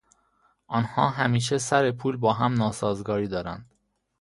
آنها همیشه سر پول با هم ناسازگاری دارند.